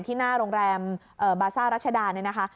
ที่หน้าโรงแรมบาซ่ารัชดาเนี่ยนะคะ